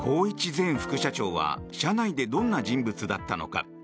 前副社長は社内でどんな人物だったのか。